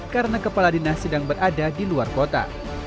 karena kepala dinas sedang berada di luar kota